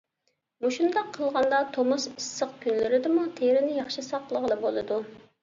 مۇشۇنداق قىلغاندا، تومۇز ئىسسىق كۈنلىرىدىمۇ تېرىنى ياخشى ساقلىغىلى بولىدۇ.